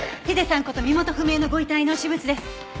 ヒデさんこと身元不明のご遺体の私物です。